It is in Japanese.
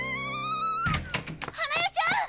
花陽ちゃん！